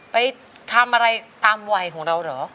ไปทำอะไรตามวัยของเราเหรอ